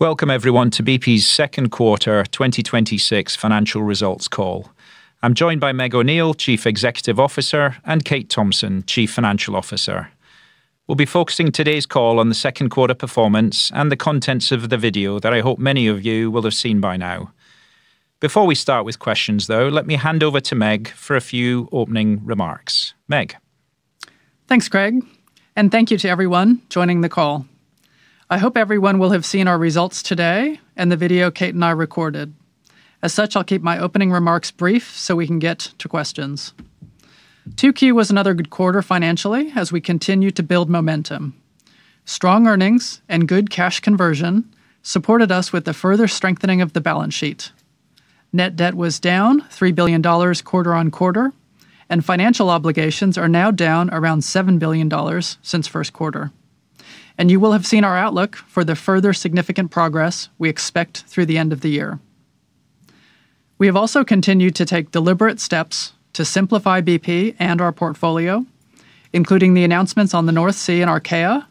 Welcome everyone to BP's second quarter 2026 financial results call. I'm joined by Meg O'Neill, Chief Executive Officer, and Kate Thomson, Chief Financial Officer. We'll be focusing today's call on the second quarter performance and the contents of the video that I hope many of you will have seen by now. Before we start with questions, though, let me hand over to Meg for a few opening remarks. Meg. Thanks, Craig, and thank you to everyone joining the call. I hope everyone will have seen our results today and the video Kate and I recorded. As such, I'll keep my opening remarks brief so we can get to questions. 2Q was another good quarter financially as we continue to build momentum. Strong earnings and good cash conversion supported us with the further strengthening of the balance sheet. Net debt was down $3 billion quarter-on-quarter, and financial obligations are now down around $7 billion since first quarter. You will have seen our outlook for the further significant progress we expect through the end of the year. We have also continued to take deliberate steps to simplify BP and our portfolio, including the announcements on the North Sea and Archaea Energy,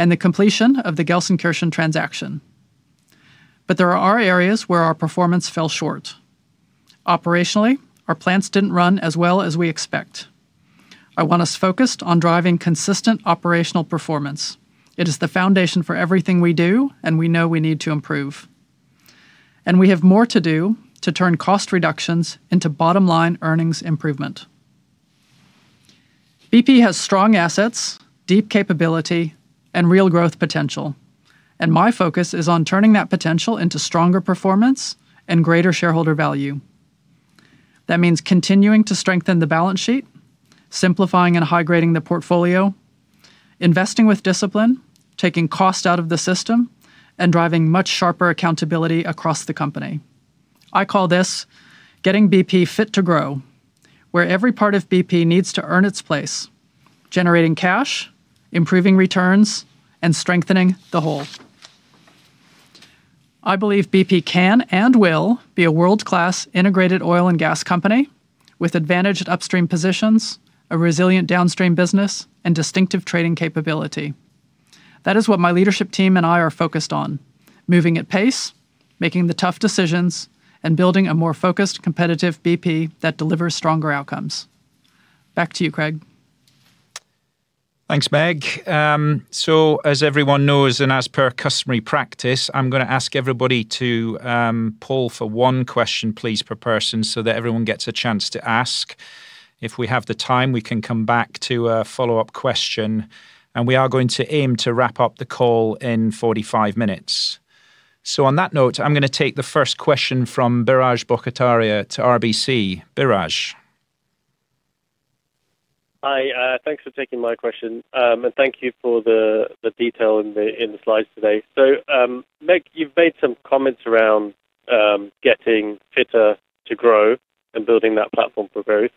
and the completion of the Gelsenkirchen transaction. There are areas where our performance fell short. Operationally, our plants didn't run as well as we expect. I want us focused on driving consistent operational performance. It is the foundation for everything we do, and we know we need to improve. We have more to do to turn cost reductions into bottom-line earnings improvement. BP has strong assets, deep capability, and real growth potential. My focus is on turning that potential into stronger performance and greater shareholder value. That means continuing to strengthen the balance sheet, simplifying and high-grading the portfolio, investing with discipline, taking cost out of the system, and driving much sharper accountability across the company. I call this getting BP Fit to Grow, where every part of BP needs to earn its place, generating cash, improving returns, and strengthening the whole. I believe BP can and will be a world-class integrated oil and gas company with advantaged upstream positions, a resilient downstream business, and distinctive trading capability. That is what my leadership team and I are focused on, moving at pace, making the tough decisions, and building a more focused, competitive BP that delivers stronger outcomes. Back to you, Craig. Thanks, Meg. As everyone knows, as per customary practice, I'm going to ask everybody to poll for one question please per person, so that everyone gets a chance to ask. If we have the time, we can come back to a follow-up question, we are going to aim to wrap up the call in 45 minutes. On that note, I'm going to take the first question from Biraj Borkhataria at RBC. Biraj. Hi. Thanks for taking my question. Thank you for the detail in the slides today. Meg, you've made some comments around getting fitter to grow and building that platform for growth,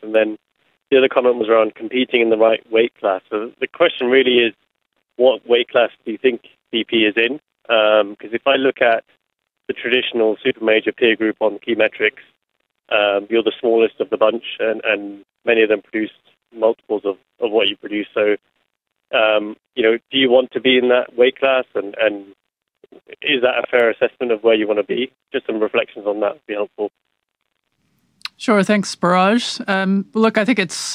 the other comment was around competing in the right weight class. The question really is, what weight class do you think BP is in? Because if I look at the traditional super major peer group on key metrics, you're the smallest of the bunch, many of them produce multiples of what you produce. Do you want to be in that weight class, and is that a fair assessment of where you want to be? Just some reflections on that would be helpful. Sure. Thanks, Biraj. Look, I think it's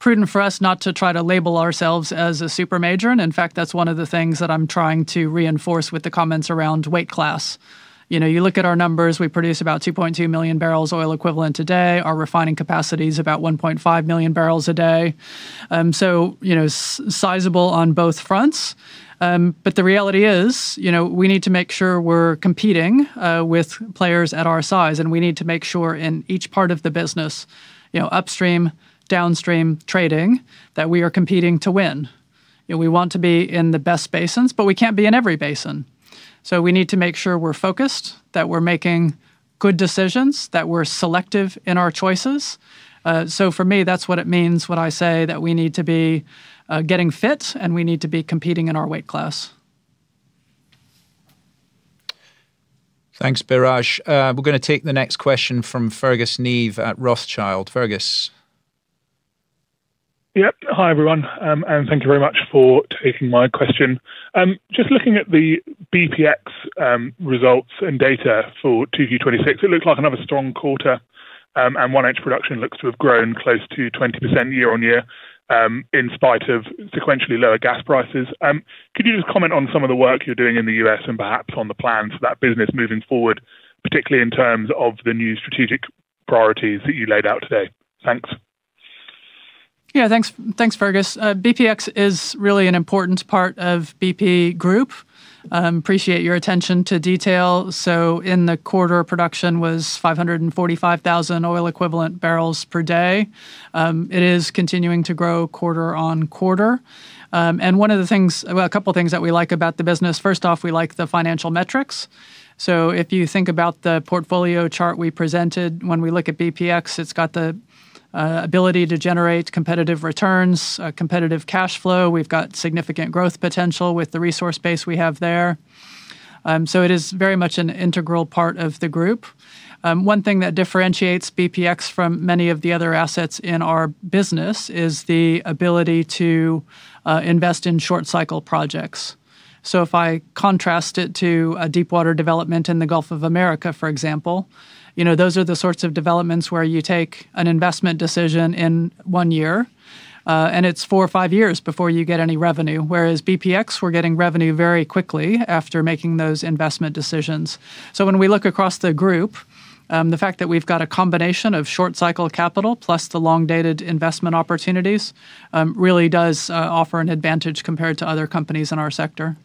prudent for us not to try to label ourselves as a super major, in fact, that's one of the things that I'm trying to reinforce with the comments around weight class. You look at our numbers, we produce about 2.2 million barrels oil equivalent a day. Our refining capacity is about 1.5 million barrels a day. Sizable on both fronts. The reality is, we need to make sure we're competing with players at our size, we need to make sure in each part of the business, upstream, downstream, trading, that we are competing to win. We want to be in the best basins, we can't be in every basin. We need to make sure we're focused, that we're making good decisions, that we're selective in our choices. For me, that's what it means when I say that we need to be getting fit, we need to be competing in our weight class. Thanks, Biraj. We're going to take the next question from Fergus Neve at Rothschild. Fergus. Yep. Hi, everyone, and thank you very much for taking my question. Just looking at the BPX results and data for 2Q26, it looked like another strong quarter. 1H production looks to have grown close to 20% year-on-year, in spite of sequentially lower gas prices. Could you just comment on some of the work you're doing in the U.S. and perhaps on the plan for that business moving forward, particularly in terms of the new strategic priorities that you laid out today? Thanks. Yeah, thanks, Fergus. BPX is really an important part of BP Group. Appreciate your attention to detail. In the quarter, production was 545,000 oil equivalent barrels per day. It is continuing to grow quarter-on-quarter. A couple of things that we like about the business. First off, we like the financial metrics. If you think about the portfolio chart we presented, when we look at BPX, it's got the ability to generate competitive returns, competitive cash flow. We've got significant growth potential with the resource base we have there. It is very much an integral part of the group. One thing that differentiates BPX from many of the other assets in our business is the ability to invest in short cycle projects. If I contrast it to a deep-water development in the Gulf of Mexico, for example, those are the sorts of developments where you take an investment decision in one year, and it's four or five years before you get any revenue, whereas BPX, we're getting revenue very quickly after making those investment decisions. When we look across the group, the fact that we've got a combination of short cycle capital plus the long-dated investment opportunities, really does offer an advantage compared to other companies in our sector.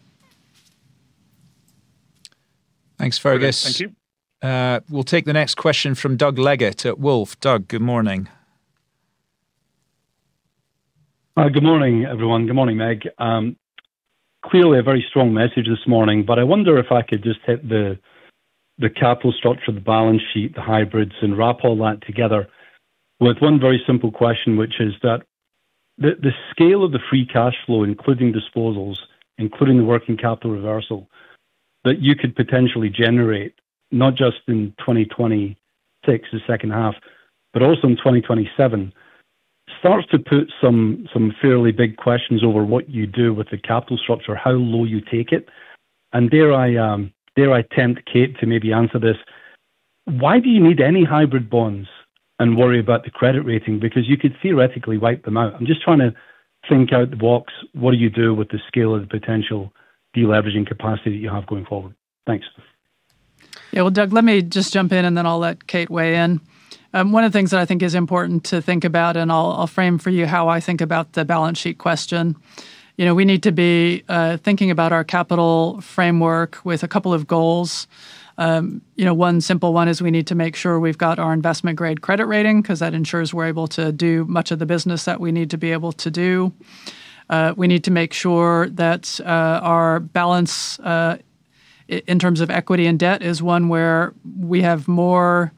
Thanks, Fergus. Okay. Thank you. We'll take the next question from Doug Leggate at Wolfe. Doug, good morning. Good morning, everyone. Good morning, Meg. Clearly a very strong message this morning, I wonder if I could just hit the capital structure, the balance sheet, the hybrids, and wrap all that together with one very simple question, which is that the scale of the free cash flow, including disposals, including the working capital reversal, that you could potentially generate, not just in 2026 the second half, but also in 2027, starts to put some fairly big questions over what you do with the capital structure, how low you take it. Dare I tempt Kate to maybe answer this? Why do you need any hybrid bonds and worry about the credit rating? You could theoretically wipe them out. I'm just trying to think out the box. What do you do with the scale of the potential deleveraging capacity that you have going forward? Thanks. Well, Doug, let me just jump in, and then I'll let Kate weigh in. One of the things that I think is important to think about, and I'll frame for you how I think about the balance sheet question. We need to be thinking about our capital framework with a couple of goals. One simple one is we need to make sure we've got our investment-grade credit rating because that ensures we're able to do much of the business that we need to be able to do. We need to make sure that our balance, in terms of equity and debt, is one where we have more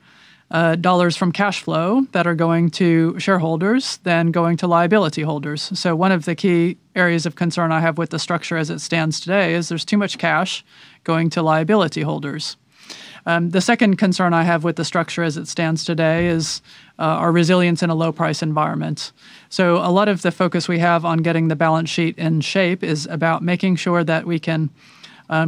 dollars from cash flow that are going to shareholders than going to liability holders. One of the key areas of concern I have with the structure as it stands today is there's too much cash going to liability holders. The second concern I have with the structure as it stands today is our resilience in a low-price environment. A lot of the focus we have on getting the balance sheet in shape is about making sure that we can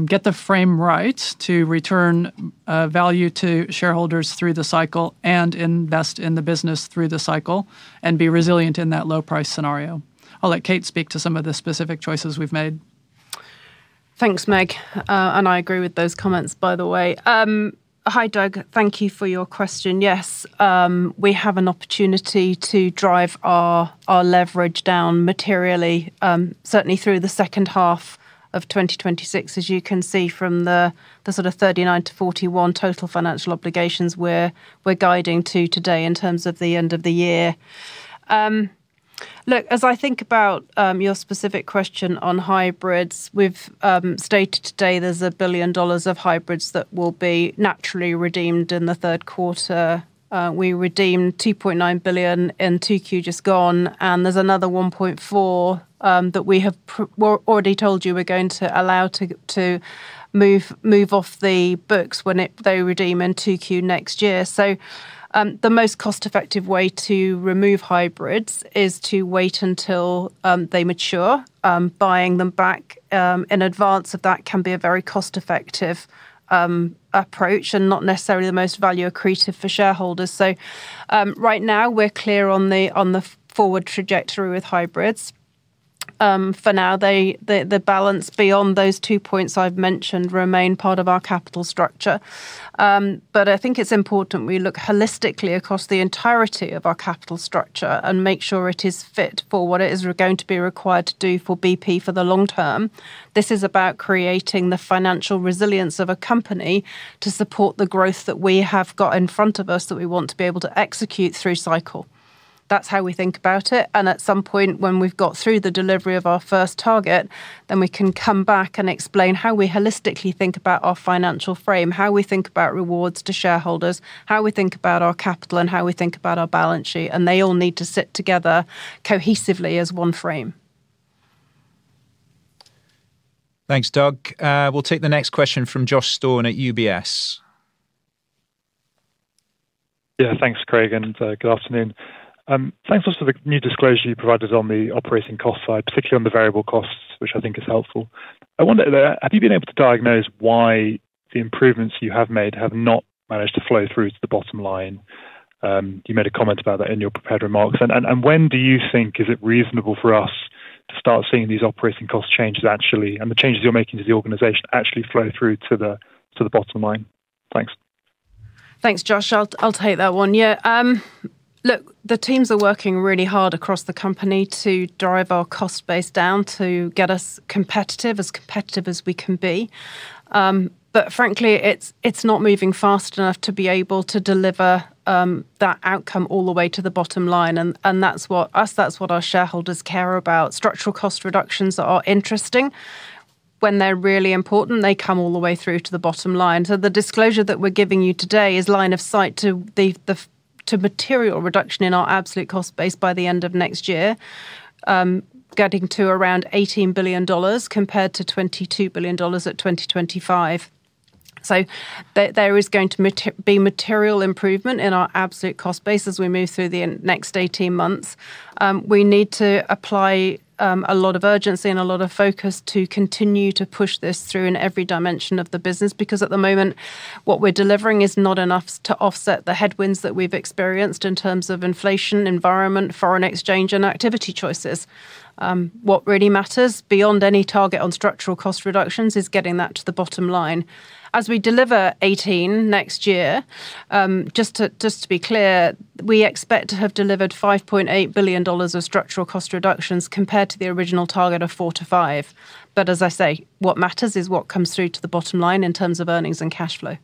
get the frame right to return value to shareholders through the cycle and invest in the business through the cycle and be resilient in that low-price scenario. I'll let Kate speak to some of the specific choices we've made. Thanks, Meg. I agree with those comments, by the way. Hi, Doug. Thank you for your question. Yes, we have an opportunity to drive our leverage down materially, certainly through the second half of 2026, as you can see from the sort of $39 billion-$41 billion total financial obligations we're guiding to today in terms of the end of the year. Look, as I think about your specific question on hybrids, we've stated today there's $1 billion of hybrids that will be naturally redeemed in the third quarter. We redeemed $2.9 billion in 2Q just gone, and there's another $1.4 billion that we have already told you we're going to allow to move off the books when they redeem in 2Q next year. The most cost-effective way to remove hybrids is to wait until they mature. Buying them back in advance of that can be a very cost-effective approach and not necessarily the most value accretive for shareholders. Right now, we're clear on the forward trajectory with hybrids. For now, the balance beyond those two points I've mentioned remain part of our capital structure. I think it's important we look holistically across the entirety of our capital structure and make sure it is fit for what it is going to be required to do for BP for the long term. This is about creating the financial resilience of a company to support the growth that we have got in front of us that we want to be able to execute through cycle. That's how we think about it. At some point, when we've got through the delivery of our first target, then we can come back and explain how we holistically think about our financial frame, how we think about rewards to shareholders, how we think about our capital, and how we think about our balance sheet. They all need to sit together cohesively as one frame. Thanks, Doug. We'll take the next question from Josh Stone at UBS. Thanks, Craig, and good afternoon. Thanks for the new disclosure you provided on the operating cost side, particularly on the variable costs, which I think is helpful. I wonder, have you been able to diagnose why the improvements you have made have not managed to flow through to the bottom line? You made a comment about that in your prepared remarks. When do you think is it reasonable for us to start seeing these operating cost changes actually, and the changes you're making to the organization, actually flow through to the bottom line? Thanks. Thanks, Josh. I'll take that one. Look, the teams are working really hard across the company to drive our cost base down to get us competitive, as competitive as we can be. Frankly, it's not moving fast enough to be able to deliver that outcome all the way to the bottom line. That's what us, that's what our shareholders care about. Structural cost reductions are interesting. When they're really important, they come all the way through to the bottom line. The disclosure that we're giving you today is line of sight to material reduction in our absolute cost base by the end of next year, getting to around $18 billion compared to $22 billion at 2025. There is going to be material improvement in our absolute cost base as we move through the next 18 months. We need to apply a lot of urgency and a lot of focus to continue to push this through in every dimension of the business, because at the moment, what we're delivering is not enough to offset the headwinds that we've experienced in terms of inflation environment, foreign exchange, and activity choices. What really matters, beyond any target on structural cost reductions, is getting that to the bottom line. As we deliver 18 next year, just to be clear, we expect to have delivered $5.8 billion of structural cost reductions compared to the original target of four to five. As I say, what matters is what comes through to the bottom line in terms of earnings and cash flow.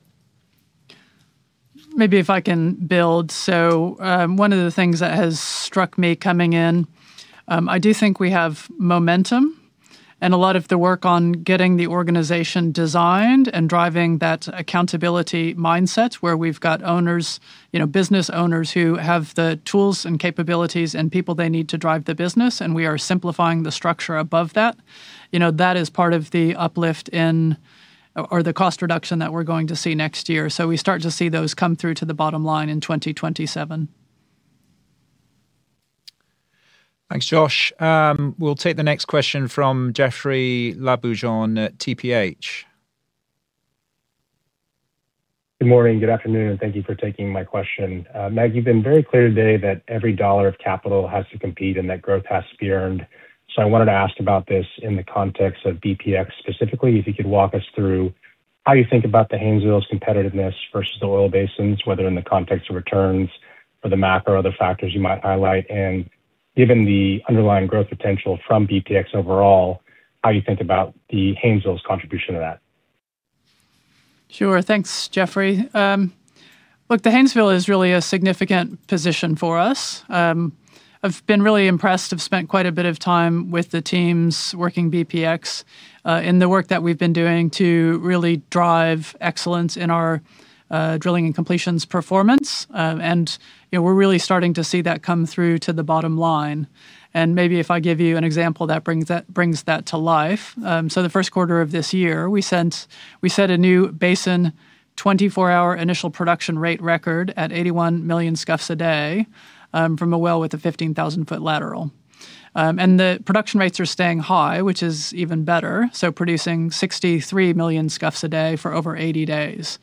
Maybe if I can build. One of the things that has struck me coming in, I do think we have momentum and a lot of the work on getting the organization designed and driving that accountability mindset where we've got business owners who have the tools and capabilities and people they need to drive the business, we are simplifying the structure above that. That is part of the uplift in, or the cost reduction that we're going to see next year. We start to see those come through to the bottom line in 2027. Thanks, Josh. We'll take the next question from Jeoffrey Lambujon, TPH. Good morning, good afternoon, and thank you for taking my question. Meg, you've been very clear today that every dollar of capital has to compete and that growth has to be earned. I wanted to ask about this in the context of BPX specifically. If you could walk us through how you think about the Haynesville's competitiveness versus the oil basins, whether in the context of returns for the Mac or other factors you might highlight. Given the underlying growth potential from BPX overall, how you think about the Haynesville's contribution to that? Sure. Thanks, Jeoffrey. Look, the Haynesville is really a significant position for us. I've been really impressed. I've spent quite a bit of time with the teams working BPX, in the work that we've been doing to really drive excellence in our drilling and completions performance. We're really starting to see that come through to the bottom line. Maybe if I give you an example that brings that to life. The first quarter of this year, we set a new basin 24-hour initial production rate record at 81 million scf a day, from a well with a 15,000-foot lateral. The production rates are staying high, which is even better, producing 63 million scf a day for over 80 days.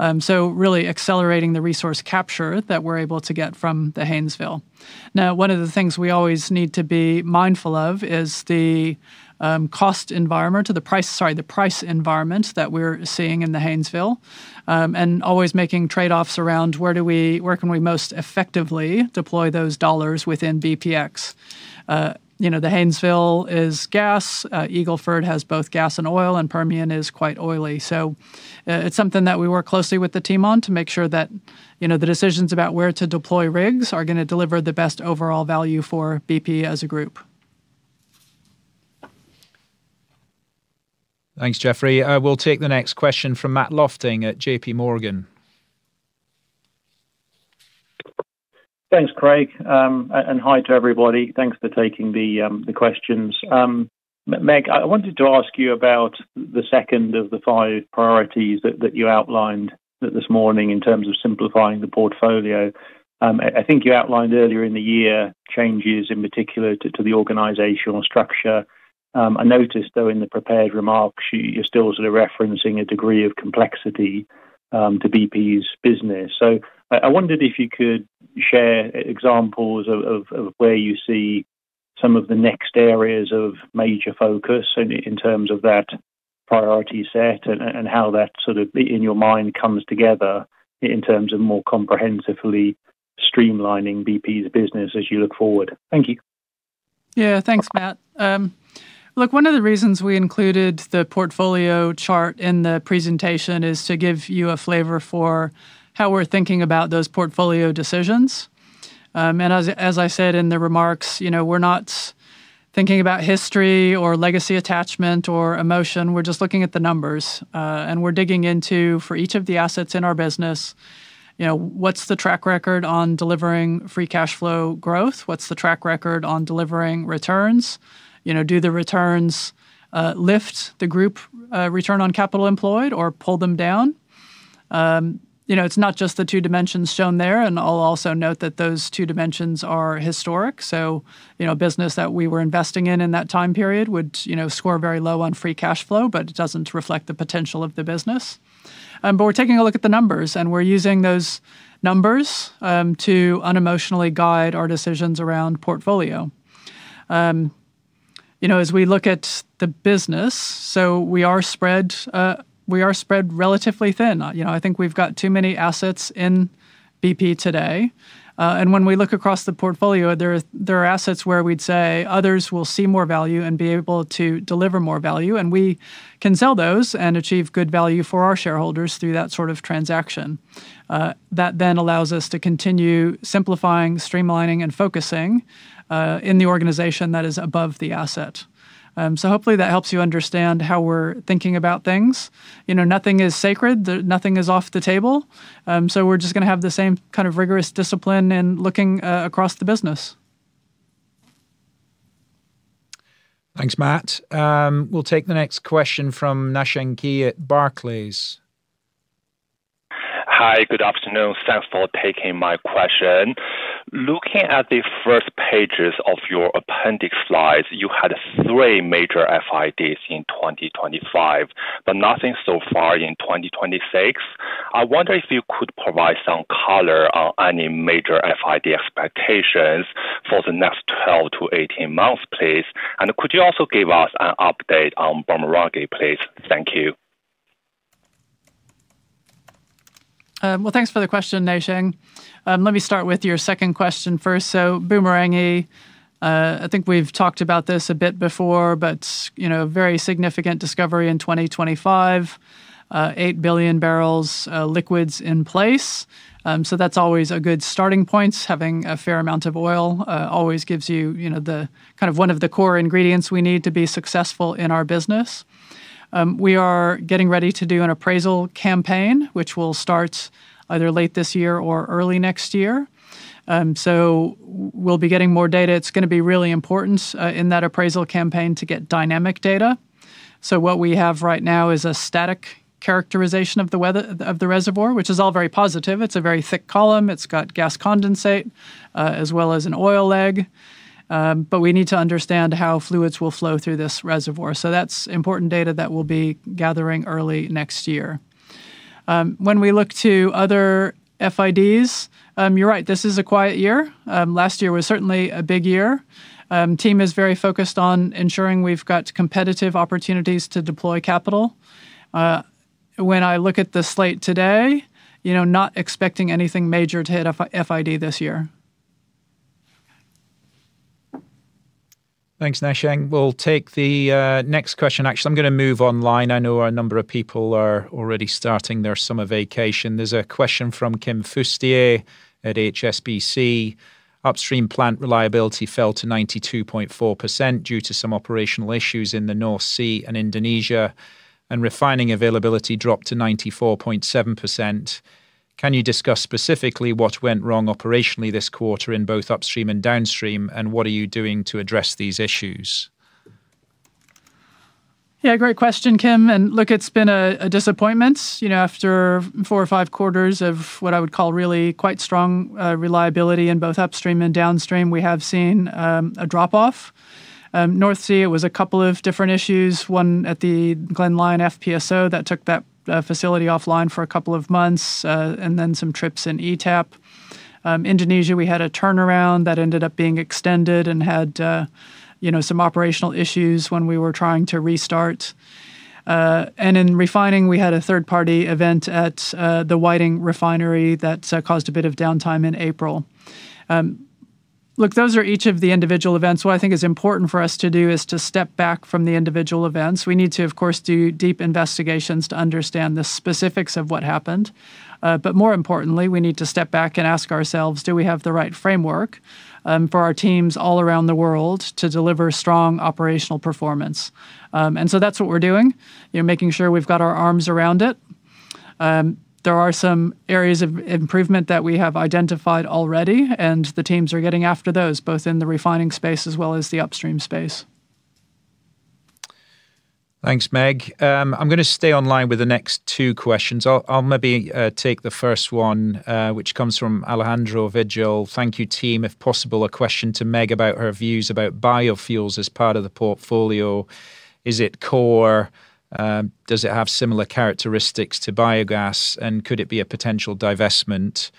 Really accelerating the resource capture that we're able to get from the Haynesville. One of the things we always need to be mindful of is the cost environment or the price, sorry, the price environment that we're seeing in the Haynesville, and always making trade-offs around where can we most effectively deploy those dollars within BPX. The Haynesville is gas. Eagle Ford has both gas and oil, and Permian is quite oily. It's something that we work closely with the team on to make sure that the decisions about where to deploy rigs are going to deliver the best overall value for BP as a group. Thanks, Jeoffrey. We'll take the next question from Matt Lofting at JPMorgan. Thanks, Craig, and hi to everybody. Thanks for taking the questions. Meg, I wanted to ask you about the second of the five priorities that you outlined this morning in terms of simplifying the portfolio. I think you outlined earlier in the year changes, in particular to the organizational structure. I noticed, though, in the prepared remarks, you're still sort of referencing a degree of complexity to BP's business. I wondered if you could share examples of where you see some of the next areas of major focus in terms of that priority set and how that sort of, in your mind, comes together in terms of more comprehensively streamlining BP's business as you look forward. Thank you. Yeah. Thanks, Matt. Look, one of the reasons we included the portfolio chart in the presentation is to give you a flavor for how we're thinking about those portfolio decisions. As I said in the remarks, we're not thinking about history or legacy attachment or emotion. We're just looking at the numbers, and we're digging into, for each of the assets in our business, what's the track record on delivering free cash flow growth? What's the track record on delivering returns? Do the returns lift the group return on capital employed or pull them down? It's not just the two dimensions shown there. I'll also note that those two dimensions are historic. A business that we were investing in in that time period would score very low on free cash flow, but it doesn't reflect the potential of the business. We're taking a look at the numbers, and we're using those numbers to unemotionally guide our decisions around portfolio. As we look at the business, we are spread relatively thin. I think we've got too many assets in BP today. When we look across the portfolio, there are assets where we'd say others will see more value and be able to deliver more value, and we can sell those and achieve good value for our shareholders through that sort of transaction. That allows us to continue simplifying, streamlining, and focusing in the organization that is above the asset. Hopefully that helps you understand how we're thinking about things. Nothing is sacred. Nothing is off the table. We're just going to have the same kind of rigorous discipline in looking across the business. Thanks, Matt. We'll take the next question from Naisheng Cui at Barclays. Hi. Good afternoon. Thanks for taking my question. Looking at the first pages of your appendix slides, you had three major FIDs in 2025, but nothing so far in 2026. I wonder if you could provide some color on any major FID expectations for the next 12 to 18 months, please. Could you also give us an update on Bumerangue, please? Thank you. Thanks for the question, Naisheng. Let me start with your second question first. Bumerangue, I think we've talked about this a bit before, but very significant discovery in 2025. 8 billion barrels, liquids in place. That's always a good starting point. Having a fair amount of oil always gives you kind of one of the core ingredients we need to be successful in our business. We are getting ready to do an appraisal campaign, which will start either late this year or early next year. We'll be getting more data. It's going to be really important, in that appraisal campaign, to get dynamic data. What we have right now is a static characterization of the reservoir, which is all very positive. It's a very thick column. It's got gas condensate, as well as an oil leg. We need to understand how fluids will flow through this reservoir. That's important data that we'll be gathering early next year. When we look to other FIDs, you're right, this is a quiet year. Last year was certainly a big year. Team is very focused on ensuring we've got competitive opportunities to deploy capital. When I look at the slate today, not expecting anything major to hit FID this year. Thanks, Naisheng. We'll take the next question. Actually, I'm going to move online. I know a number of people are already starting their summer vacation. There's a question from Kim Fustier at HSBC. Upstream plant reliability fell to 92.4% due to some operational issues in the North Sea and Indonesia, and refining availability dropped to 94.7%. Can you discuss specifically what went wrong operationally this quarter in both upstream and downstream, and what are you doing to address these issues? Great question, Kim, it's been a disappointment. After four or five quarters of what I would call really quite strong reliability in both upstream and downstream, we have seen a drop-off. North Sea, it was a couple of different issues, one at the Glen Lyon FPSO that took that facility offline for a couple of months, then some trips in ETAP. Indonesia, we had a turnaround that ended up being extended and had some operational issues when we were trying to restart. In refining, we had a third-party event at the Whiting Refinery that caused a bit of downtime in April. Those are each of the individual events. What I think is important for us to do is to step back from the individual events. We need to, of course, do deep investigations to understand the specifics of what happened. More importantly, we need to step back and ask ourselves, do we have the right framework for our teams all around the world to deliver strong operational performance? That's what we're doing, making sure we've got our arms around it. There are some areas of improvement that we have identified already, the teams are getting after those, both in the refining space as well as the upstream space. Thanks, Meg. I'm going to stay online with the next two questions. I'll maybe take the first one, which comes from Alejandro Vigil. Thank you, team. If possible, a question to Meg about her views about biofuels as part of the portfolio. Is it core? Does it have similar characteristics to biogas, and could it be a potential divestment?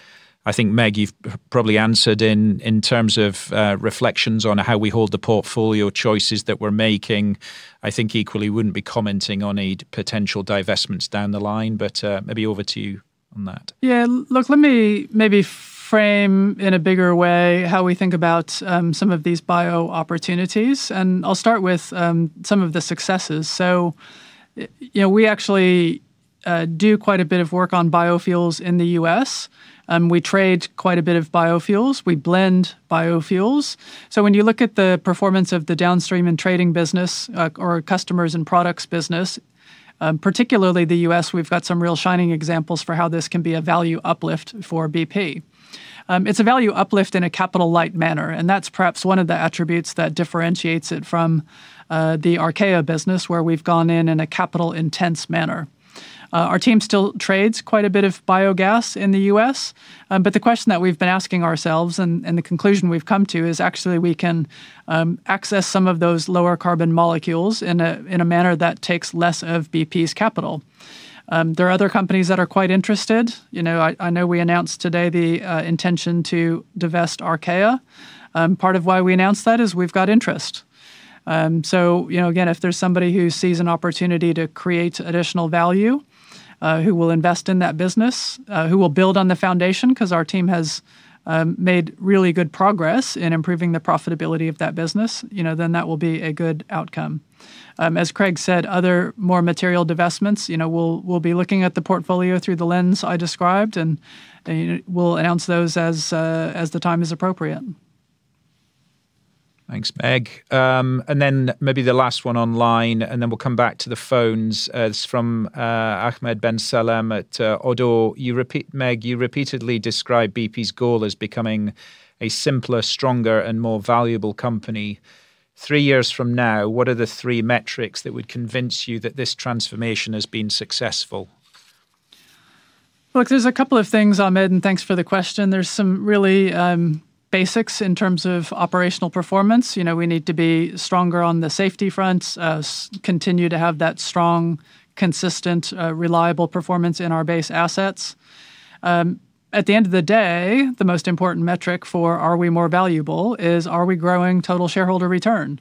I think, Meg, you've probably answered in terms of reflections on how we hold the portfolio choices that we're making. I think equally wouldn't be commenting on any potential divestments down the line. Maybe over to you on that. Yeah, look, let me maybe frame in a bigger way how we think about some of these bio opportunities. I'll start with some of the successes. We actually do quite a bit of work on biofuels in the U.S. We trade quite a bit of biofuels. We blend biofuels. When you look at the performance of the downstream and trading business, or our customers and products business, particularly the U.S., we've got some real shining examples for how this can be a value uplift for BP. It's a value uplift in a capital-light manner, that's perhaps one of the attributes that differentiates it from the Archaea business, where we've gone in in a capital-intense manner. Our team still trades quite a bit of biogas in the U.S., the question that we've been asking ourselves and the conclusion we've come to is actually we can access some of those lower carbon molecules in a manner that takes less of BP's capital. There are other companies that are quite interested. I know we announced today the intention to divest Archaea. Part of why we announced that is we've got interest. Again, if there's somebody who sees an opportunity to create additional value, who will invest in that business, who will build on the foundation, because our team has made really good progress in improving the profitability of that business, that will be a good outcome. As Craig said, other more material divestments, we'll be looking at the portfolio through the lens I described, we'll announce those as the time is appropriate. Thanks, Meg. Maybe the last one online, and then we'll come back to the phones. It's from Ahmed Ben Salem at ODDO. Meg, you repeatedly describe BP's goal as becoming a simpler, stronger, and more valuable company. Three years from now, what are the three metrics that would convince you that this transformation has been successful? Look, there's a couple of things, Ahmed, and thanks for the question. There's some really basics in terms of operational performance. We need to be stronger on the safety fronts, continue to have that strong, consistent, reliable performance in our base assets. At the end of the day, the most important metric for are we more valuable is are we growing total shareholder return?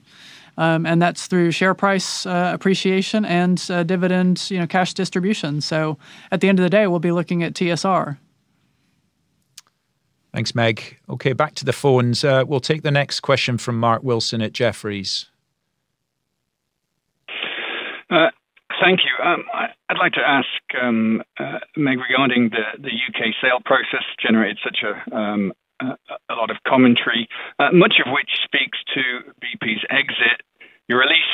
That's through share price appreciation and dividend cash distribution. At the end of the day, we'll be looking at TSR. Thanks, Meg. Okay, back to the phones. We'll take the next question from Mark Wilson at Jefferies. Thank you. I'd like to ask Meg regarding the U.K. sale process generated such a lot of commentary, much of which speaks to BP's exit. Your release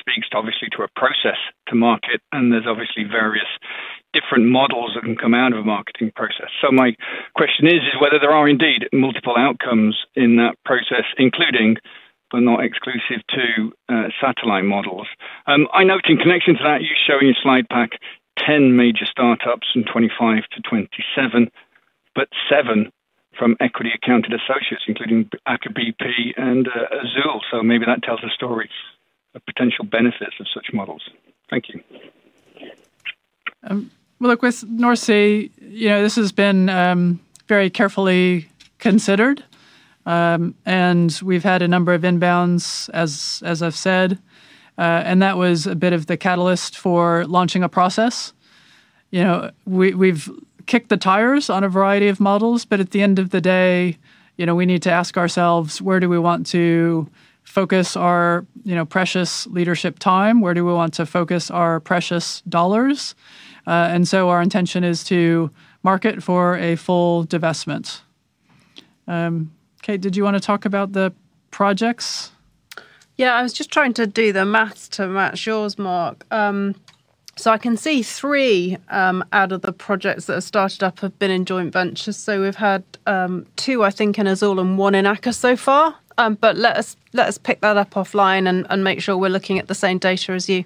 speaks, obviously, to a process to market, and there's obviously various different models that can come out of a marketing process. My question is whether there are indeed multiple outcomes in that process, including, but not exclusive to, satellite models. I note in connection to that, you show in your slide pack 10 major startups from 2025 to 2027, but seven from equity accounted associates, including Aker BP and Azule. Maybe that tells a story of potential benefits of such models. Thank you. Well, look, with North Sea, this has been very carefully considered. We've had a number of inbounds, as I've said. That was a bit of the catalyst for launching a process. We've kicked the tires on a variety of models. At the end of the day, we need to ask ourselves, where do we want to focus our precious leadership time? Where do we want to focus our precious dollars? Our intention is to market for a full divestment. Kate, did you want to talk about the projects? I was just trying to do the math to match yours, Mark. I can see three out of the projects that have started up have been in joint ventures. We've had two, I think, in Azule and one in Aker so far. Let us pick that up offline and make sure we're looking at the same data as you.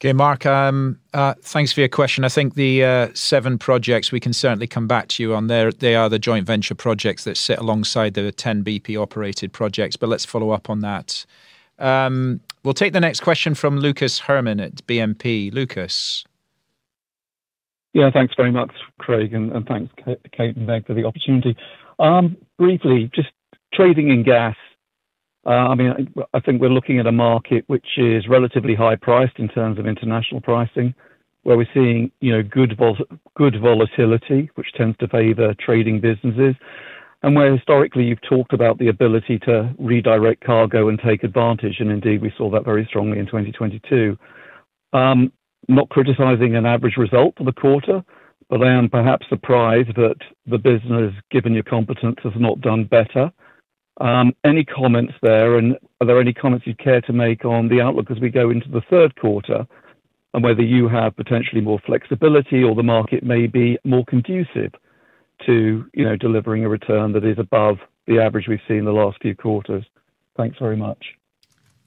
I think it's that. Mark. Thanks for your question. I think the seven projects we can certainly come back to you on. They are the joint venture projects that sit alongside the 10 BP-operated projects. Let's follow up on that. We'll take the next question from Lucas Herrmann at BNP. Lucas. Yeah, thanks very much, Craig, and thanks Kate and Meg for the opportunity. Briefly, just trading in gas. I think we're looking at a market which is relatively high priced in terms of international pricing, where we're seeing good volatility, which tends to favor trading businesses, and where historically you've talked about the ability to redirect cargo and take advantage, and indeed, we saw that very strongly in 2022. I'm not criticizing an average result for the quarter, but I am perhaps surprised that the business, given your competence, has not done better. Any comments there, and are there any comments you'd care to make on the outlook as we go into the third quarter on whether you have potentially more flexibility or the market may be more conducive to delivering a return that is above the average we've seen in the last few quarters? Thanks very much.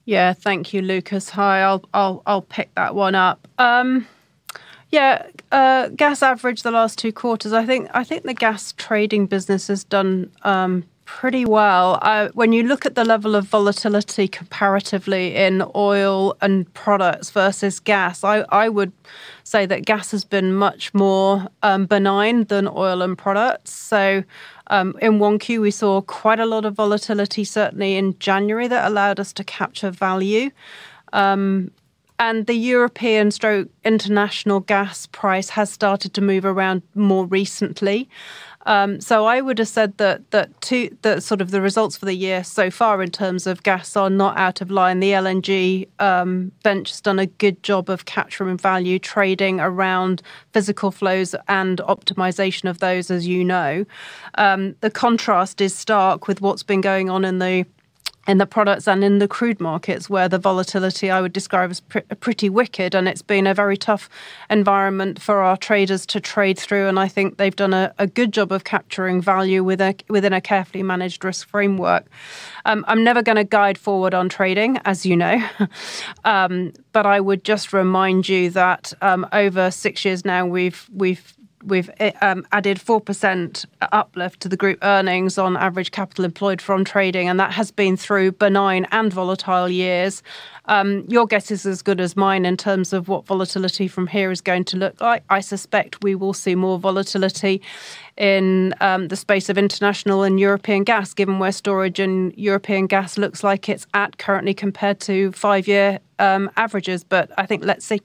Yeah, thank you, Lucas. Hi, I'll pick that one up. Yeah. Gas average the last two quarters, I think the gas trading business has done pretty well. When you look at the level of volatility comparatively in oil and products versus gas, I would say that gas has been much more benign than oil and products. In 1Q, we saw quite a lot of volatility, certainly in January, that allowed us to capture value. The European stroke international gas price has started to move around more recently. I would've said that sort of the results for the year so far in terms of gas are not out of line. The LNG bench has done a good job of capturing value, trading around physical flows and optimization of those, as you know. The contrast is stark with what's been going on in the products and in the crude markets, where the volatility, I would describe, as pretty wicked, and it's been a very tough environment for our traders to trade through, and I think they've done a good job of capturing value within a carefully managed risk framework. I'm never going to guide forward on trading, as you know. I would just remind you that over six years now, we've added 4% uplift to the group earnings on average capital employed from trading, and that has been through benign and volatile years. Your guess is as good as mine in terms of what volatility from here is going to look like. I suspect we will see more volatility in the space of international and European gas, given where storage and European gas looks like it's at currently compared to five-year averages. I think let's see.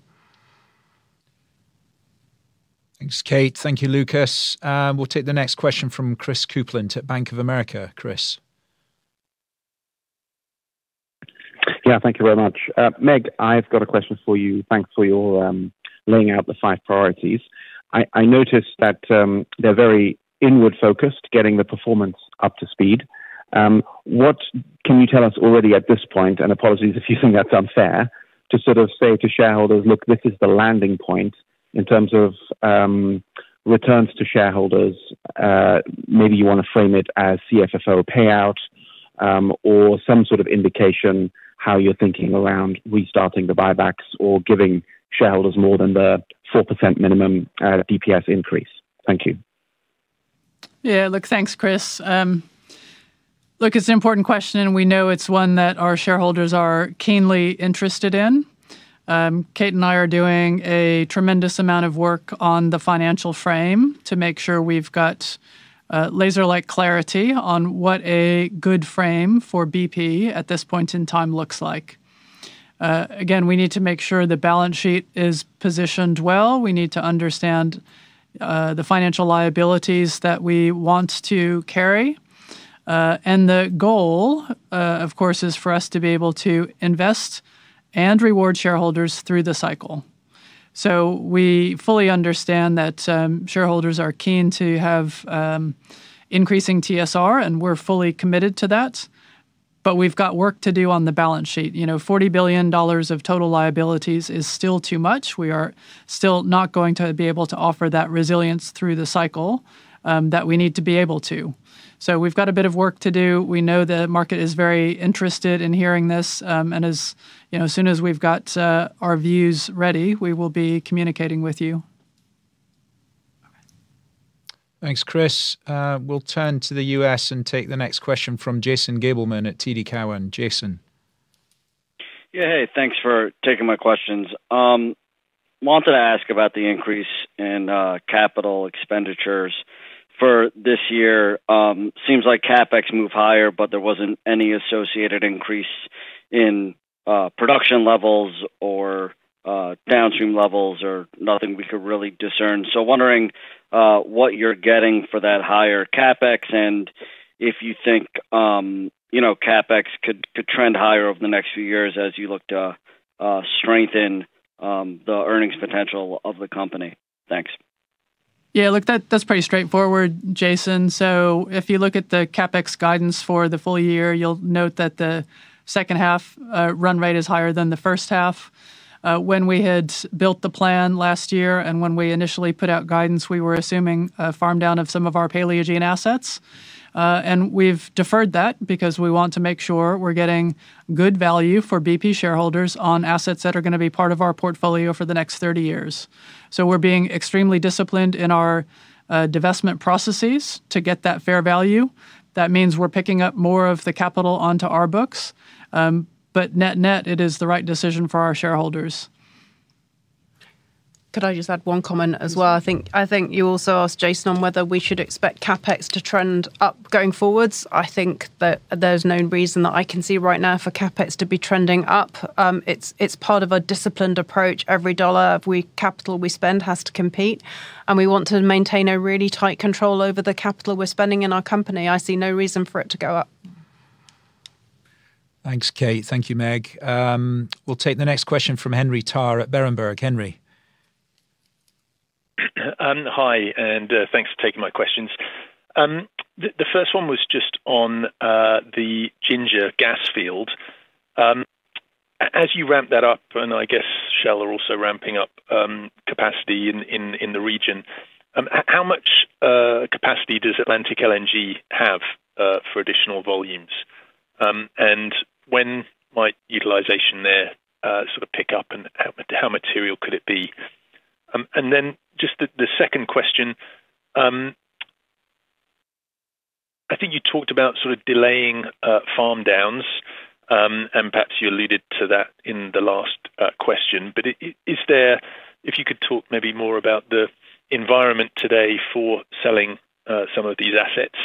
Thanks, Kate. Thank you, Lucas. We'll take the next question from Chris Kuplent at Bank of America. Chris. Yeah, thank you very much. Meg, I've got a question for you. Thanks for your laying out the five priorities. I noticed that they're very inward-focused, getting the performance up to speed. What can you tell us already at this point, and apologies if you think that's unfair, to sort of say to shareholders, "Look, this is the landing point in terms of returns to shareholders." Maybe you want to frame it as CFFO payout or some sort of indication how you're thinking around restarting the buybacks or giving shareholders more than the 4% minimum DPS increase. Thank you. Yeah. Look, thanks, Chris. Look, it's an important question, and we know it's one that our shareholders are keenly interested in. Kate and I are doing a tremendous amount of work on the financial frame to make sure we've got laser-like clarity on what a good frame for BP at this point in time looks like. Again, we need to make sure the balance sheet is positioned well. We need to understand the financial liabilities that we want to carry. The goal, of course, is for us to be able to invest and reward shareholders through the cycle. We fully understand that shareholders are keen to have increasing TSR, and we're fully committed to that, but we've got work to do on the balance sheet. $40 billion of total liabilities is still too much. We are still not going to be able to offer that resilience through the cycle that we need to be able to. We've got a bit of work to do. We know the market is very interested in hearing this, as soon as we've got our views ready, we will be communicating with you. Thanks, Chris. We'll turn to the U.S. and take the next question from Jason Gabelman at TD Cowen. Jason. Hey, thanks for taking my questions. Wanted to ask about the increase in capital expenditures for this year. Seems like CapEx move higher, there wasn't any associated increase in production levels or downstream levels or nothing we could really discern. Wondering what you're getting for that higher CapEx and if you think CapEx could trend higher over the next few years as you look to strengthen the earnings potential of the company. Thanks. Look, that's pretty straightforward, Jason. If you look at the CapEx guidance for the full year, you'll note that the second half run rate is higher than the first half. When we had built the plan last year and when we initially put out guidance, we were assuming a farm down of some of our Palaeogene assets. We've deferred that because we want to make sure we're getting good value for BP shareholders on assets that are going to be part of our portfolio for the next 30 years. We're being extremely disciplined in our divestment processes to get that fair value. That means we're picking up more of the capital onto our books. Net net, it is the right decision for our shareholders. Could I just add one comment as well? I think you also asked Jason on whether we should expect CapEx to trend up going forwards. I think that there's no reason that I can see right now for CapEx to be trending up. It's part of a disciplined approach. Every dollar of capital we spend has to compete, and we want to maintain a really tight control over the capital we're spending in our company. I see no reason for it to go up. Thanks, Kate. Thank you, Meg. We'll take the next question from Henry Tarr at Berenberg. Henry. Hi, thanks for taking my questions. The first one was just on the Ginger gas field. As you ramp that up, I guess Shell are also ramping up capacity in the region, how much capacity does Atlantic LNG have for additional volumes? When might utilization there sort of pick up and how material could it be? Just the second question, I think you talked about sort of delaying farm downs, perhaps you alluded to that in the last question. If you could talk maybe more about the environment today for selling some of these assets,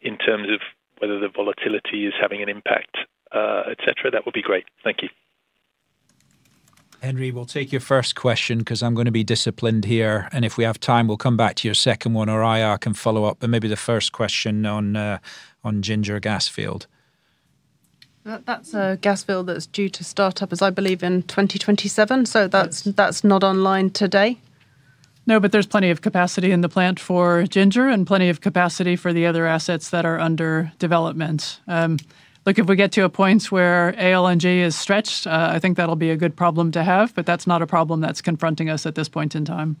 in terms of whether the volatility is having an impact, et cetera, that would be great. Thank you. Henry, we'll take your first question because I'm going to be disciplined here, if we have time, we'll come back to your second one or IR can follow up. Maybe the first question on Ginger gas field. That's a gas field that's due to start up, as I believe, in 2027. That's not online today. No, there's plenty of capacity in the plant for Ginger and plenty of capacity for the other assets that are under development. Look, if we get to a point where ALNG is stretched, I think that'll be a good problem to have, that's not a problem that's confronting us at this point in time.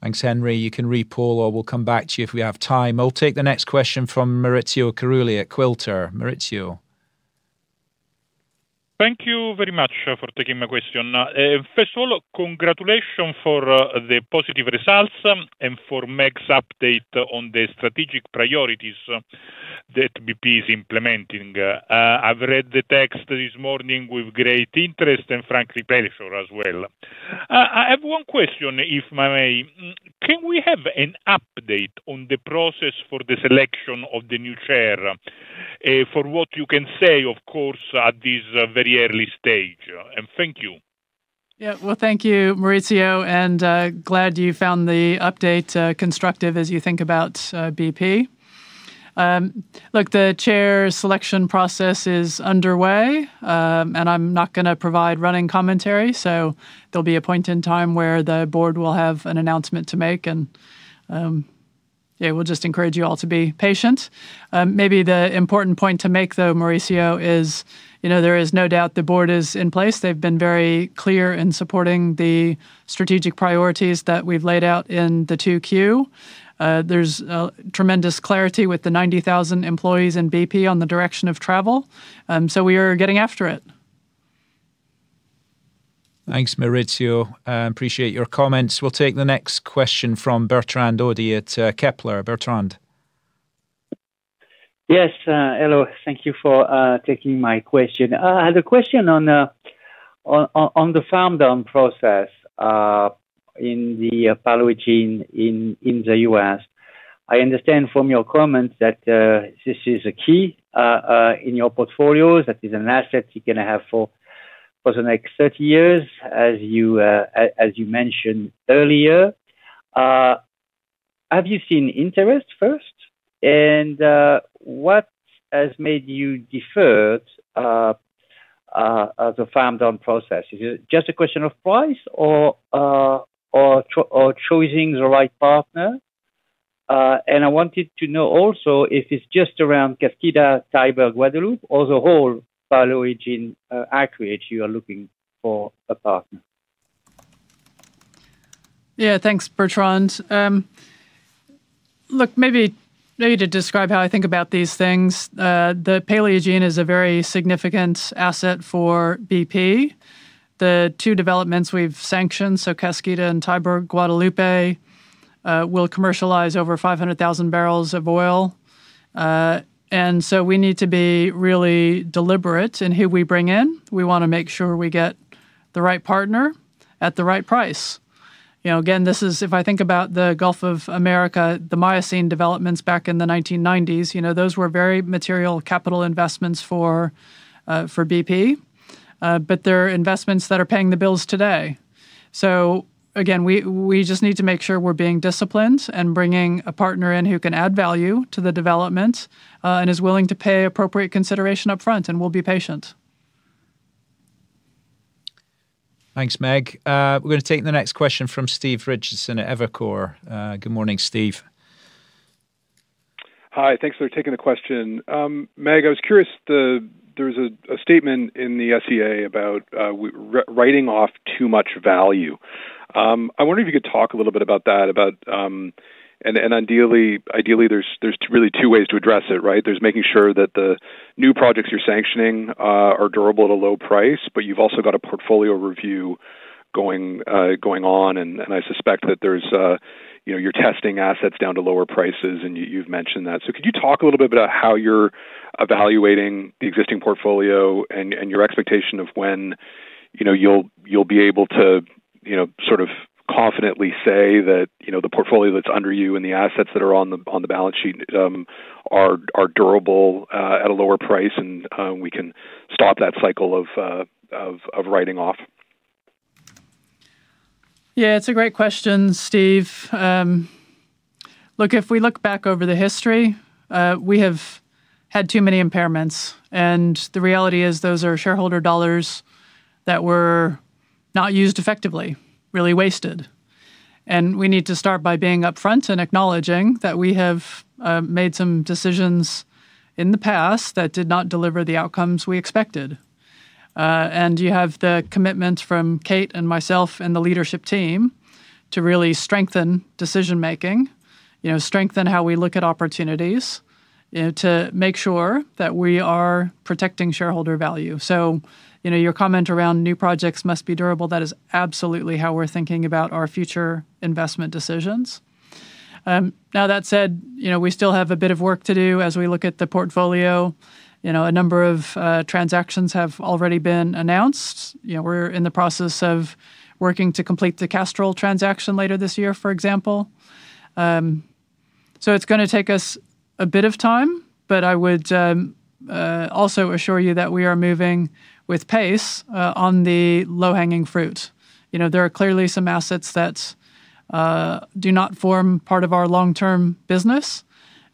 Thanks, Henry. You can repoll or we'll come back to you if we have time. I'll take the next question from Maurizio Carulli at Quilter. Maurizio. Thank you very much for taking my question. First of all, congratulations for the positive results and for Meg's update on the strategic priorities that BP is implementing. I've read the text this morning with great interest and frankly pleasure as well. I have one question, if I may. Can we have an update on the process for the selection of the new chair? For what you can say, of course, at this very early stage. Thank you. Yeah. Well, thank you, Maurizio, and glad you found the update constructive as you think about BP. Look, the chair selection process is underway, and I'm not going to provide running commentary. There'll be a point in time where the board will have an announcement to make, yeah, we'll just encourage you all to be patient. Maybe the important point to make, though, Maurizio, is there is no doubt the board is in place. They've been very clear in supporting the strategic priorities that we've laid out in the 2Q. There's tremendous clarity with the 90,000 employees in BP on the direction of travel. We are getting after it. Thanks, Maurizio. Appreciate your comments. We'll take the next question from Bertrand Hodee at Kepler Cheuvreux. Bertrand. Yes. Hello. Thank you for taking my question. I had a question on the farm down process in the Paleogene in the U.S. I understand from your comments that this is a key in your portfolios, that is an asset you're going to have for the next 30 years, as you mentioned earlier. Have you seen interest first? What has made you deferred the farm down process? Is it just a question of price or choosing the right partner? I wanted to know also if it's just around Kaskida, Tiber, Guadalupe, or the whole Paleogene acreage you are looking for a partner. Yeah, thanks, Bertrand. Look, maybe to describe how I think about these things. The Paleogene is a very significant asset for BP. The two developments we've sanctioned, Kaskida and Tiber, Guadalupe, will commercialize over 500,000 barrels of oil. We need to be really deliberate in who we bring in. We want to make sure we get the right partner at the right price. Again, if I think about the Gulf of Mexico, the Miocene developments back in the 1990s, those were very material capital investments for BP. They're investments that are paying the bills today. Again, we just need to make sure we're being disciplined and bringing a partner in who can add value to the development, and is willing to pay appropriate consideration up front, and we'll be patient. Thanks, Meg. We're going to take the next question from Steve Richardson at Evercore. Good morning, Steve. Hi. Thanks for taking the question. Meg, I was curious, there was a statement in the SEA about writing off too much value. I wonder if you could talk a little bit about that. Ideally, there's really two ways to address it, right? there's making sure that the new projects you're sanctioning are durable at a low price, but you've also got a portfolio review going on, and I suspect that you're testing assets down to lower prices, and you've mentioned that. Could you talk a little bit about how you're evaluating the existing portfolio and your expectation of when you'll be able to confidently say that the portfolio that's under you and the assets that are on the balance sheet are durable at a lower price and we can stop that cycle of writing off? Yeah, it's a great question, Steve. Look, if we look back over the history, we have had too many impairments. The reality is those are shareholder dollars that were not used effectively, really wasted. We need to start by being upfront and acknowledging that we have made some decisions in the past that did not deliver the outcomes we expected. You have the commitment from Kate and myself and the leadership team to really strengthen decision-making, strengthen how we look at opportunities to make sure that we are protecting shareholder value. Your comment around new projects must be durable, that is absolutely how we're thinking about our future investment decisions. Now, that said, we still have a bit of work to do as we look at the portfolio. A number of transactions have already been announced. We're in the process of working to complete the Castrol transaction later this year, for example. It's going to take us a bit of time, but I would also assure you that we are moving with pace on the low-hanging fruit. There are clearly some assets that do not form part of our long-term business,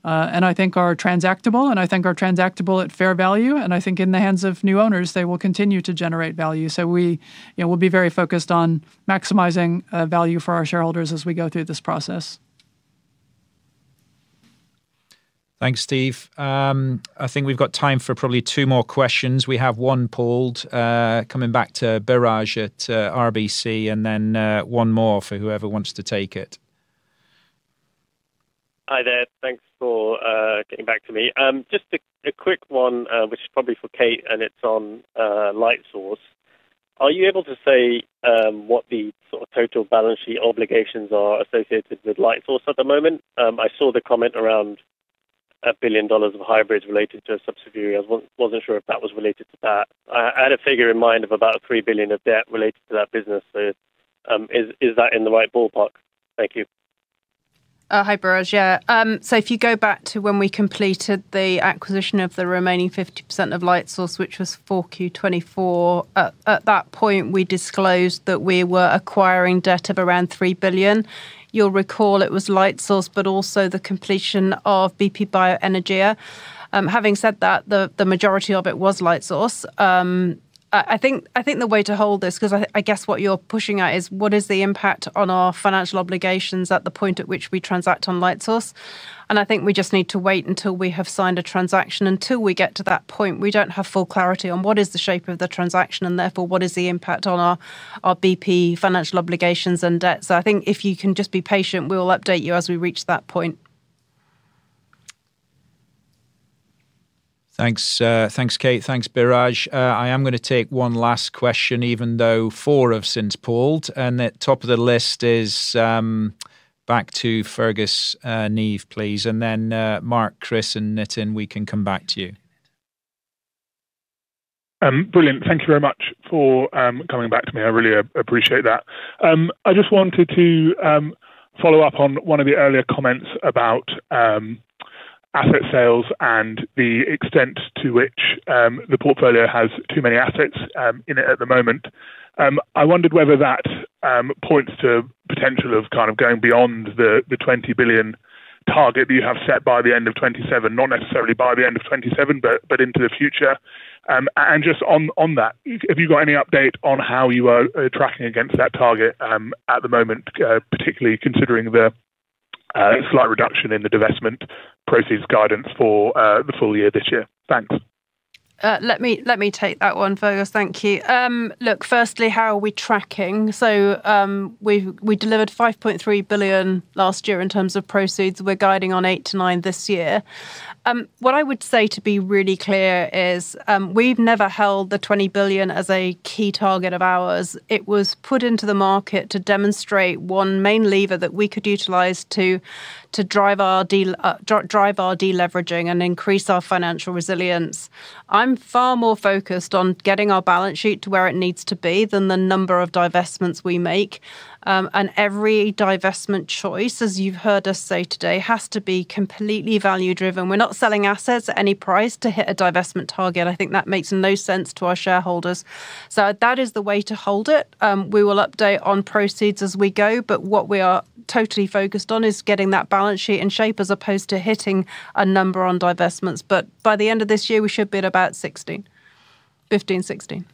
and I think are transactable, and I think are transactable at fair value. I think in the hands of new owners, they will continue to generate value. We'll be very focused on maximizing value for our shareholders as we go through this process. Thanks, Steve. I think we've got time for probably two more questions. We have one polled, coming back to Biraj at RBC, and then one more for whoever wants to take it. Hi there. Thanks for getting back to me. Just a quick one, which is probably for Kate, and it's on Lightsource. Are you able to say what the sort of total balance sheet obligations are associated with Lightsource at the moment? I saw the comment around $1 billion of hybrids related to a subsidiary. I wasn't sure if that was related to that. I had a figure in mind of about $3 billion of debt related to that business. Is that in the right ballpark? Thank you. Hi, Biraj. If you go back to when we completed the acquisition of the remaining 50% of Lightsource, which was 4Q 2024. At that point, we disclosed that we were acquiring debt of around $3 billion. You'll recall it was Lightsource, but also the completion of bp Bioenergia. Having said that, the majority of it was Lightsource. I think the way to hold this, because I guess what you're pushing at is what is the impact on our financial obligations at the point at which we transact on Lightsource, and I think we just need to wait until we have signed a transaction. Until we get to that point, we don't have full clarity on what is the shape of the transaction, and therefore, what is the impact on our bp financial obligations and debts. I think if you can just be patient, we will update you as we reach that point. Thanks, Kate. Thanks, Biraj. I am going to take one last question, even though four have since polled, and at top of the list is back to Fergus Neve, please. Then Mark, Chris, and Nitin, we can come back to you. Brilliant. Thank you very much for coming back to me. I really appreciate that. I just wanted to follow up on one of the earlier comments about asset sales and the extent to which the portfolio has too many assets in it at the moment. I wondered whether that points to potential of going beyond the $20 billion target that you have set by the end of 2027, not necessarily by the end of 2027, but into the future. Just on that, have you got any update on how you are tracking against that target at the moment, particularly considering the slight reduction in the divestment proceeds guidance for the full year this year? Thanks. Let me take that one, Fergus. Thank you. Look, firstly, how are we tracking? We delivered $5.3 billion last year in terms of proceeds. We're guiding on $8 billion to $9 billion this year. What I would say to be really clear is we've never held the $20 billion as a key target of ours. It was put into the market to demonstrate one main lever that we could utilize to drive our deleveraging and increase our financial resilience. I'm far more focused on getting our balance sheet to where it needs to be than the number of divestments we make. Every divestment choice, as you've heard us say today, has to be completely value driven. We're not selling assets at any price to hit a divestment target. I think that makes no sense to our shareholders. That is the way to hold it. We will update on proceeds as we go, what we are totally focused on is getting that balance sheet in shape as opposed to hitting a number on divestments. By the end of this year, we should be at about 16, 15, 16.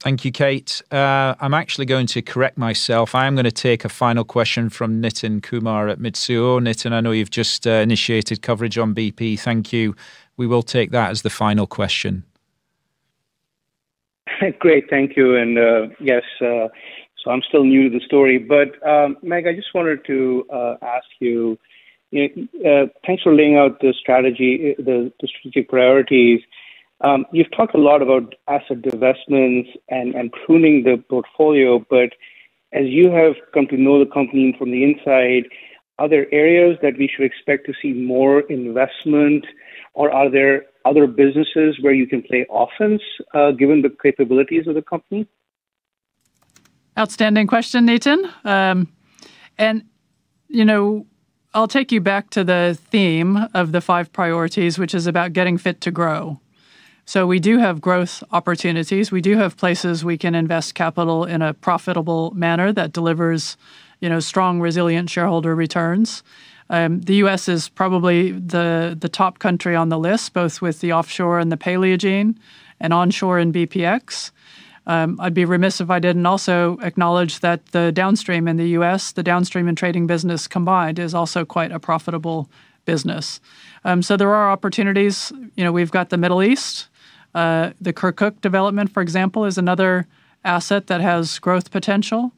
Thank you, Kate. I'm actually going to correct myself. I am going to take a final question from Nitin Kumar at Mizuho. Nitin, I know you've just initiated coverage on BP. Thank you. We will take that as the final question. Great. Thank you. I'm still new to the story, Meg, I just wanted to ask you, thanks for laying out the strategic priorities. You've talked a lot about asset divestments and pruning the portfolio, as you have come to know the company from the inside, are there areas that we should expect to see more investment, or are there other businesses where you can play offense given the capabilities of the company? Outstanding question, Nitin. I'll take you back to the theme of the five priorities, which is about getting fit to grow. We do have growth opportunities. We do have places we can invest capital in a profitable manner that delivers strong, resilient shareholder returns. The U.S. is probably the top country on the list, both with the offshore and the Paleogene and onshore and BPX. I'd be remiss if I didn't also acknowledge that the downstream in the U.S., the downstream and trading business combined, is also quite a profitable business. There are opportunities. We've got the Middle East. The Kirkuk development, for example, is another asset that has growth potential.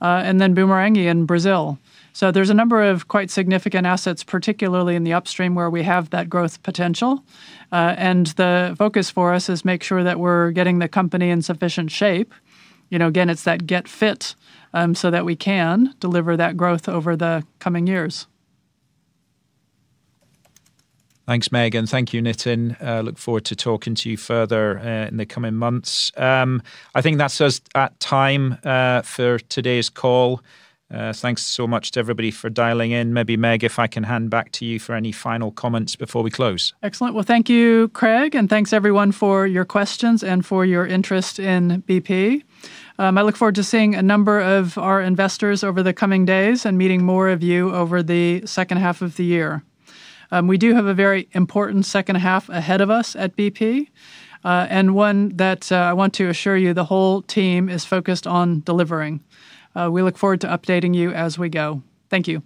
Then Bumerangue in Brazil. There's a number of quite significant assets, particularly in the upstream, where we have that growth potential. The focus for us is make sure that we're getting the company in sufficient shape. Again, it's that get fit so that we can deliver that growth over the coming years. Thanks, Meg, and thank you, Nitin. I look forward to talking to you further in the coming months. I think that's us at time for today's call. Thanks so much to everybody for dialing in. Maybe Meg, if I can hand back to you for any final comments before we close. Excellent. Well, thank you, Craig, and thanks everyone for your questions and for your interest in BP. I look forward to seeing a number of our investors over the coming days and meeting more of you over the second half of the year. We do have a very important second half ahead of us at BP. One that I want to assure you the whole team is focused on delivering. We look forward to updating you as we go. Thank you